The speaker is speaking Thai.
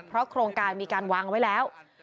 เพราะโครงการมีการวางไว้แล้ว